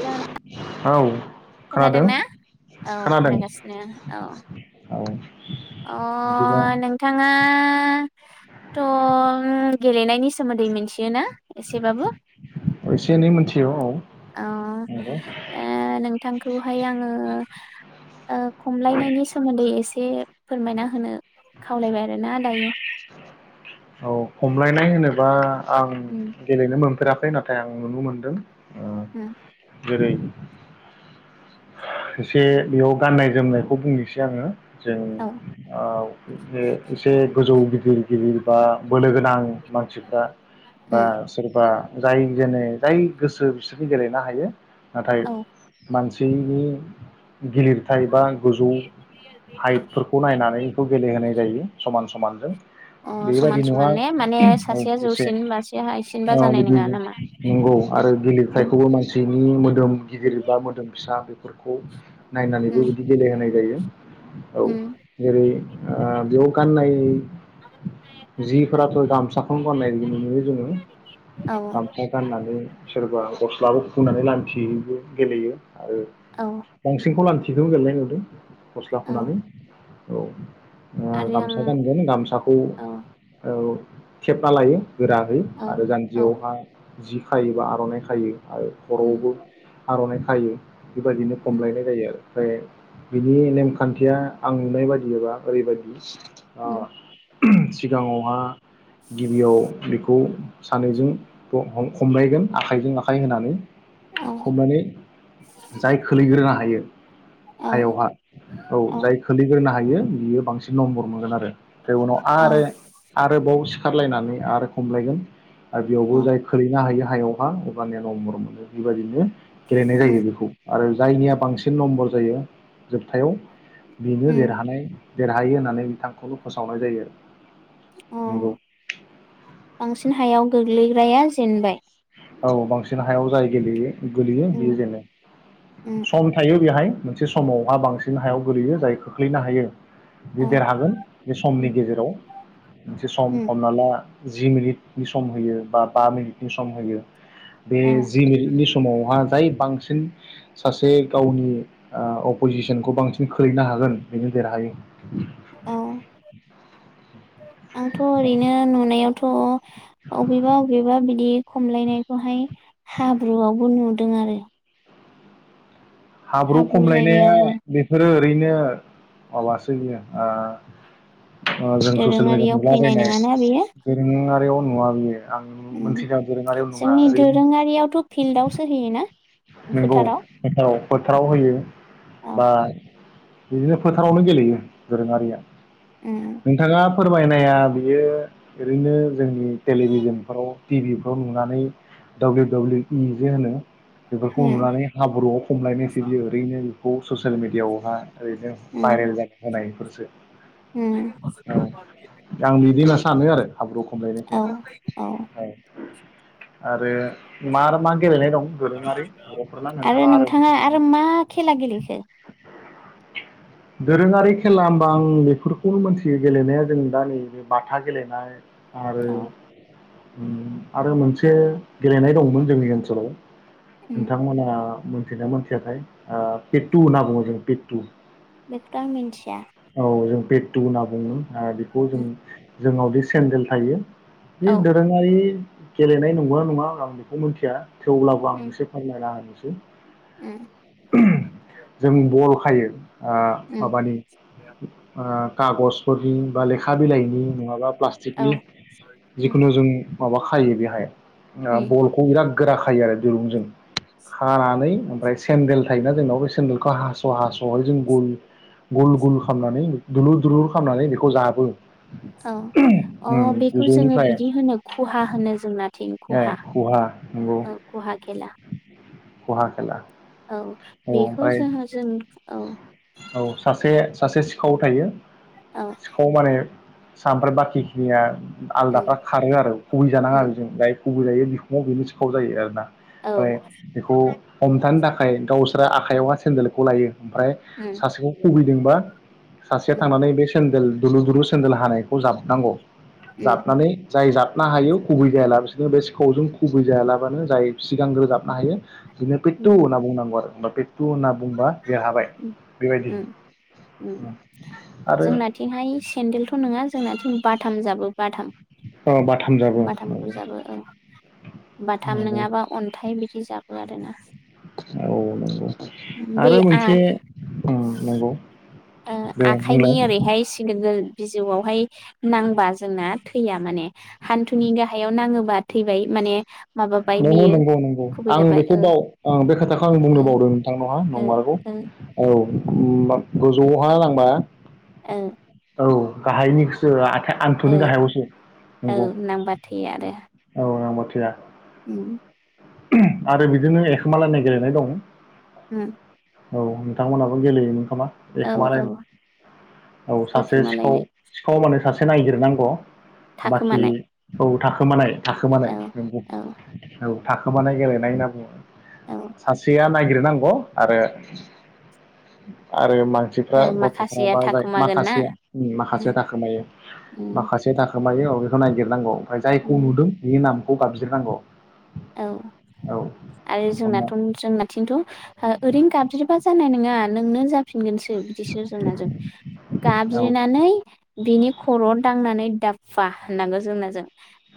हेल' नोंथां औ खोनादों खोनादोंना औ खोनादों खोनागासिनो औ। औ। बिदिबा अह नोंथाङा थल गेलेनायनि सोमोन्दै मिथियोना एसेबाबो? एसे एनै मोनथियो औ औ ओ नंगौ नोंथां नोंथांखौहाय आङो ओह खमलायनायनि सोमोन्दै एसे से फोरमायना होनो खावलायबाय आ आरो ना दायो। औ खमलायनाय होनोबा आं उम गेलेनो मोनफेरा खै नाथाय आं नुनो मोनदों उम जेरै एसे बेयाव गाननाय जोमनायखौ बुंनोसै आङो जों औ आव एसे एसे गोजौ गिदिर गिदिर बा बोलो गोनां मानसिफ्रा बा उम सोरबा जाय जेने जाय गोसो बिसोरनि गेलेनो हायो नाथाय औ मानसि जोंनि गिलिरथाय बा गोजौ हाइटफोरखौ नायनानै बेखौ गेलेहोनाय जायो समान समानजों अ समान बेबायदि नङा समान ने माने औ सासेया एसे जौसिन मासेया हायसिनबा औ जानाय नङा बिदिनो नामा नंगौ उम आरो गिलिरथायखौबो मानसिनि मोदोम गिदिर बा मोदोम फिसा बे फोरखौ नायनानैबो उम बिदि गेलेहोनाय जायो। औ उम जेरै ओ बेयाव गाननाय [inaudible] जिफोराथ' गामसाखौनो गाननाय नुयो जोङो औ गामसा गाननानै सोरबा गस्लाबो खुनानैबो लांथियैबो गेलेयो आरो औ बांसिनखौ लान थिकखौनो गेलेनाय नुदों गस्ला औ खुनानै। औ। ओ आरो गामसा आं गानगोन गामसाखौ औ औ। खेबना लायो। गोराहै औ आरो औ जान्जियावहा जि खायोबा आर'नाइ खायो। आरो खर'वावबो आर'नाइ खायो बेबादि खमलायनाय जायो आरो। फ्राय बिनि नेमखान्थिया आं नुनाय बादियाबा ओरैबादि अह। सिगाङावहा गिबियाव बेखौ सानैजों ह-ह-हमलायगोन आखाइजों आखाइ होनानै। हमनानै जाय ग्रोनो हायो औ हायावहा औ जाय खोलैग्रोनो हायो बियो बांसिन नम्बर मोनगोन आरो। फ्राय उनाव औ आरो आरोबाव सि खारलायनानै आरो खमलायगोन आरो बेयावबो औ जाय खोलैनो हायो यावहा अबानिया नम्बर मोनो बेबायदिनो गेलेनाय उम जायो बेखौ। आरो जायनिया बांसिन नम्बर जायो जोबथायाव बेनो उम देरहानाय देरहायो होननानै बिथांखौल' फोसावनाय जायो आरो। अह नंगौ बांसिन हायाव गोग्लै [unintelligible] जेनबाय? औ बांसिन हायाव जाय गेलेयो गोलैयो बियो उम जेनो। उम सम थायो बेहाय। मोनसे समावहा बांसिन हायाव गोलैयो जाय खोख्लैनो हायो। बे औ देरहागोन बे समनि उम गेजेराव मोनसे सम उम हमना ला जि मिनिटनि सम होयो बा बा मिनिट नि सम होयो बे औ जि मिनिटनि समावहा जाय बांसिन सासे गावनि ओ अपजिसनखौ बांसिन खोलैनो हागोन बेनो देरहायो। औ आंथ' ओरैनो नुनायाव थ' अबेबा अबेबा बिदि खमलायनायखौहाय हाब्रुआवबो नुदों आरो हाब्रु खमलायनाया बेफोरो ओरैनो माबासो इयो। ओ। ओ जों ससियेल मिडिया दोरोङारियाव फैनाय नुलाबायनाय नङाना बेयो दोरोङारियाव नङा बियो। आं उम मोनथिदों दोरोङारियाव नङा जोंनि ओरैनो दोरोङारियावथ' फिल्डआवसो होयोना नंगौ फोथाराव फोथाराव फोथाराव होयो औ बा बिदिनो फोथारावनो गेलेयो दोरोङारिया उम नोंथाङा फोरमायनाया बियो ओरैनो जोंनि टेलिभिजनफ्राव टिभिफ्राव नुनानै डाब्लिउ डाब्लिउ इ जे होनो बेफोरखौ उम नुनानै हाब्रुआव हमलायनायसो बियो ओरैनो बेखौ ससियेल मिडियाआवहा ओरैनो उम भाइरेल जादों होनाय बेफोरसो उम औ आं बिदि होनना सानो आरो हाब्रु खमलायनायखौ औ आरो मा मा गेलेनाय दं? दोरोङारि बर'फोरना नोंथाङा आरो आरो मा खेला गेलेखो? दोरोङारि खेला होमबा आं बेफोरखौनो मोनथियो गेलेनाया जों दा नैबे बाथा गेलेनाय आरो औ आरो मोनसे गेलेनाय दंमोन जोंनि ओनसोलाव उम नोंथांमोना मिथिना मोनथियाखै पे टु पेटु होनना बुङो जोंङ पे टु बेखौथ आं मिथिया जों पेटु होनना बुङो। ओ बिखौ जों उम जोंनावदि सेन्देल थायो। औ जि दोरोंआरि गेलेनाय नंगौना नङा आं बिखौ मिथिया। थेवब्लाबो आं उम एसे फोरमायना होनोसै उम बे जों बल थायो आ उम माबानि आ खागसफोरनि बा लेखा बिलाइनि नङाबा औ प्लास्टिकनि उम जिखुनु जों माबा खायो बेहाय ओ उम बलखौ बिराद गोरा खायो आरो दिरुंजों खानानै ओमफ्राय सेन्देल थायोना जोंनाव बे सेन्देलखौ हास' हास' होय जों गुल गुल गुल खामनानै दुलुर दुलुर खामनानै बिख खौ जाबो। औ अ उम बेखौ जोङो गोजौनिफ्राय बिदि होनो खुहा होनो जोंनाथिं ए खुहा खहा नंगौ औ खुहा खेला। खहा खेला। औ औ बेखौ ओमफ्राय जोंहो जों औ खाव थायो। औ सिखाव माने? सा ओमफ्राय बाखिखिनिया उम आलदाफ्रा खारो आरो खुबै जानाङा उम बेजों जाय खुबै जायो बिखुङाव बिनो सिखाव जायो आरो ना। औ ओमफाय बिखौ हमथानो थां फाय गावस फ्रा आखाइायावहा सेन्देलखौ लायो। ओमफ्राय उम सासेखौ खुबै दोंबा सासेया उम थांनानै बे सेन्देल दुलुर दुलु सेन्देल हानायखौ जाबनांगौ। उम जाबनानै जाय जाब ना हायो खुबै जायालाबासिनो बे सिखावजों खुबै जायालाबानो जाय सिगांग्रो जाबनो हायो। बिदिनो पेटटु उम होनना बुंनांगौ आरो। होमबा पेटटु होनना बुंबा देरहाबाय बेबायदि उम उम आरो जोंनाथिंहाय सेन्देलथ नङा जोंना थिं बाथाम जाबो बाथाम औ बाथाम जाबो बाथामखौ नंगौ जाबो औ बाथाम नंगौ नङाबा अन्थाइ बिदि जाबो आरोना औ नंगौ बे आरो आ मोनसे उम नंगौ ओ दे आखाइनि बुंलाय ओरैहाय सिगां [unintelligible] बिजौआवहाय नांबा जोंना थैया माने हान्थुनि गाहायाव नाङो बा थैबाय माने माबाबाय नंगौ बियो नंगौ नंगौ खुबै आं जाबाय बेखौ बाव ओ बे खोथाखौ आं ओ बुंनो बावदों नोंथां नंङा नंमारगौ ओ औ उम गोजौआवहा नांबा ओ औ गाहायनिखोसो आ खाय ओ हान्थुनि गाहायावसो औ नंगौ नांबा थैयो आरो औ नंमा थैया उम आरो बिदिनो एखोमालायनाय गेलेनाय दं उम औ नोंथांमोनहाबो गेलेयोमोन खोमा औ औ एखोमालायनाय औ सासे सिखाव एखोमालायनाय सिखाव माने सासे खो नायगिरनांगौ बाखि थाखोमानाय औ था खोमानाय थाखोमानाय औ नंगौ औ औ थाखोमानाय गेलेनाय होनना बुङो औ सासेया नाय नागिरनांगौ आरो आरो मा नसिफ्रा ओ माखासेया गथ'फ्रा जाय थाखोमागोन ना माखासे माखासे उम थाखोमायो उम माखासे थाखोमायो। बेखौ नायगिरनांगौ ओमफ्राय जायखौ उम नुदों बेनि नाम खौ गाबज्रिनांगौ औ औ आरो हमना जोंनाथ जोंनाथिंथ ओरैनो गाबज्रिबा जानाय नङा नोंनो जाफि फिनगोनसो बिदिसो जोंना जों औ गाबज्रिनानै बिनि खर'आव दांनानै दाफा होननांगौ जोंनाजों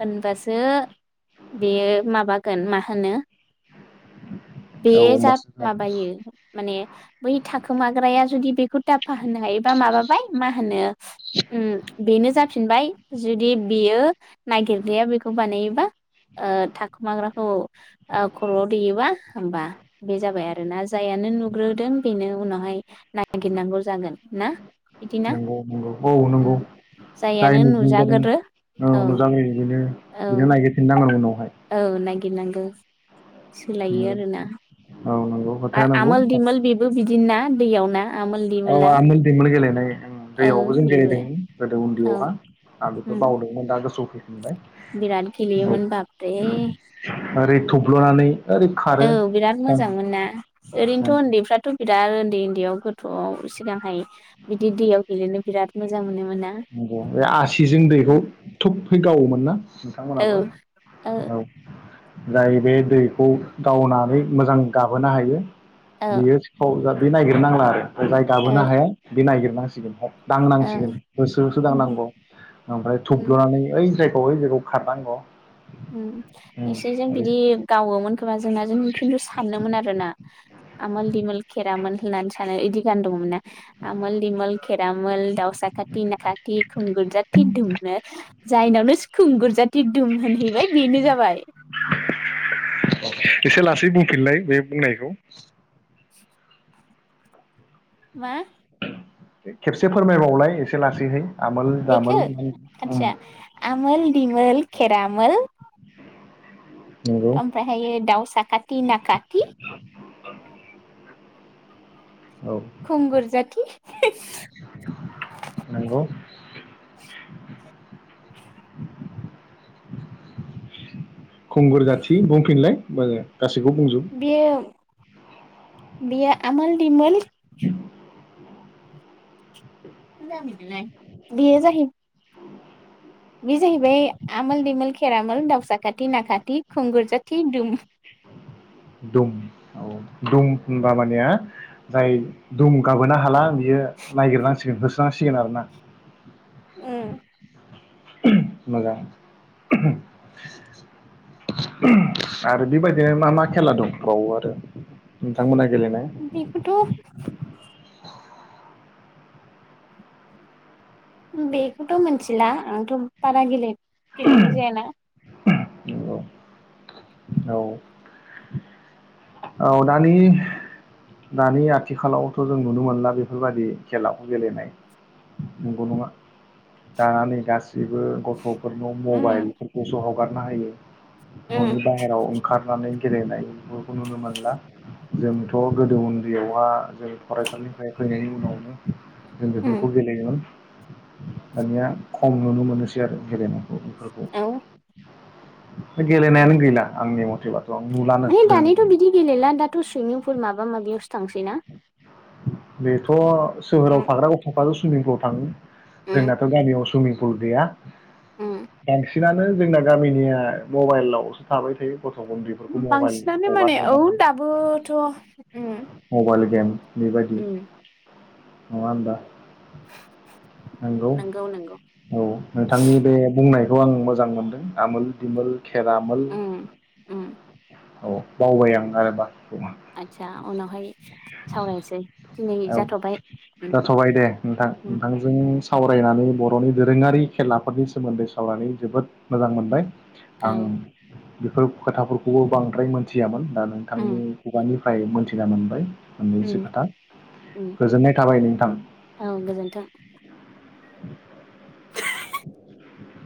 होनबासो बेयो बागोन मा होनो बे औ जा होमबासो माबायो माने बै थाखोमाग्राया जुदि बेखौ दाफा होननो हायोबा माबाबाय मा होनो ओम बेनो जा फिनबाय जुदि बेयो नागिरग्राया बेखौ बानायोबा ओद थाखोमाग्राखौ ओ खर'आव दैेयोबा होमबा बे जाबाय आरो ना जायानो नुग्रोदों बेनो उनावहाय नागिरनांगौ जागोन ना बिदिना नंगौ नंगौ औ नंगौ ओं जाय जायानो नुग्रो जादों नुजागोरो औ नुजाग्रोयो बिनो औ बिनो नायगिरफिन नांगोन उनाव औ नायगि गिरनांगौ सोलायो नंगौ आरोना औ नंगौ खोथाया नांगौ दिनना दैयाव ना आमोल औ दिमोला आमोल दिमोल गेलेनाय ओं औ दैयावबो जों बेबो गेलेदोंमोन गोदो औ उन्दैयावहा। आं बेखौ उम बावदोंमोन दा गोसोआव फैबाय। बिराद गेलोमोन बाप रे ओरै थ'ब्ल'नानै ओरै खारो औ बिराद नंगौ मोजां मोन ना ओरैनोथ' उन्दैफ्राथ बिराद उन्दै उन्दैयाव गथ'आव सिगांहाय बिदि दैयाव गेलेनो बिराद मोजां मोनोमोन ना नोंगौ बे आसिजों दैखौ थुबहै गावोमोन ना नोंथांमोनाबो औ औ। जाय बे दैखौ गावनानै मोजां गाबहोनो हायो औ बियो सिखाव जागोन बे नायगिर नांला आरो। जाय गाबहोनो हाया बे नागिर नांसिगोन दांनांसिगोन ओ होसो होसो दांनांगौ। ओमफ्राय थुब्लनानै ओइ जाय [unintelligible] खारनांग ओम एसे जों बिदि गावोमोन खोमा जोंना जों खिन्थु सानोमोन आरो ना, आमोल दिमोल खेरामोन होननानै सानो इदि गान दङमोन ना। आमोल दिमोल खेरामोल दाउसााखाथि नाखाथि खुंगुरजाथि दुम नो, जायनावनोस खुंगुरजाथि दुम होनहै है बिनो जाबाय। एसे लासै बुंफिनलाय बे बुंनायखौ। [inaudible] मा? खेबसे फोरमायबावलाय एसे लासैहै। आमोल बेखो दामोल आतसा आमोल दिमोल केेरामोल नंगौ ओमफ्रायहायो दाउ साखाथि नाखाथि औ खुंगुर जाथि नंगौ [inaudible] खुंगुर जाथि बुंफिनलाय मो गासैखौबो बुंजोब। बियो आमोल दिमोल [unintelligible] बियो जा बेयो जाहैबाय आमोल दिमोल खेरामोल दाउसाखथि नाखाथि खुंगुर जाथि दुम। दुम औ दुम होनबा मानेया जाय दुम गाबोनो हा बियो नायगिरनांसिगोन हो जासिगोन आरोना उम्म मोजां आरो बेबायदिनो मा मा खेला दं बावो आरो? नोंथांमोनना गेले नाय बेखौथ' बेखौथ मिथिला आंथ बारा गे गेलेनाय जायना [inaudible] औ औ दानि दानि आथिखालावथ जों नुनो मोनला बेफोरबायाददि खेलाखौ गेलेनाय नंगौ नङा दा नै दा बेबो गथफोरनाव उम मबाइल हगारना होयो न'नि उम बाहेराव ओंखारनानै गेलेनाय नुनो मोनला जोंथ गोदो उन्दैयावहा जों फरायसालिनिफ्राय फैनायनि उनावनो जों उम बेफोरखौ गेलेयोमोन दानिया खम नुनो मोनोसै आरो गेलेनाय। उनदै फोरखौ औ गेलेनायानो गैला आंनि मथे बा [unintelligible] नुलानो माने जों दानिथ बिदि गेलेला दाथ सुइमिं फुल माबा माबि निउस थांसै ना बेथ' सोहोराव थाग्रा गथ'फ्रालसो सुइमिं पुलाव थाङो उम जोंनाथ गामियाव सुइमिं पुल गैया। उम बांसिनानो जोंना गामिनिया। मबाइलावसो थाबाय थायो। गथ' उन्दैफोरखौ मबाइल बांसिनानो हगार माने औ हगार दाबोथ' उम। Mobile game. बेबायदि उम नंङा होमबा। नंगौ औ नोंथांनि बे बुंनाय। बे आं मोजां मोनदों आमोल दिमोल खेरामोल उम उम औ बावबाय आं आरोबा। आदसा उनावहाय सावरायनोसै दिनै औ जाथबाय। जाथ'बाय दे नोंथां नोंथांजों सावरायनानै बर'नि दोरोङारि खेलाफोरनि सोमोन्दै सावरायनानै जोबोद मोजां मोनबाय। आं। औ बेफोर खोथाफोरखौबो बांद्राय मोनथियामोन। दा उम नोंथांनि खुगानिफ्राय। निफ्राय मोनथिना मोनबाय। उम मोननैसो खोथा उम गोजोननाय थाबाय नोंथां। औ गोजोन्थों [inaudible] औ।